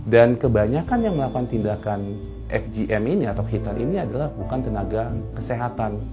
dan kebanyakan yang melakukan tindakan fgm ini atau hitam ini adalah bukan tenaga kesehatan